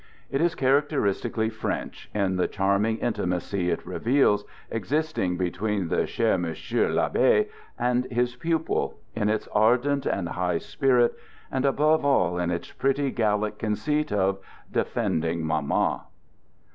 It is characteristically French, in the charming intimacy it reveals, existing between the " Cher Monsieur TAbbe " and his pupil, in its ardent and high spirit, and above all in its pretty Gallic conceit of " de fending Mamma."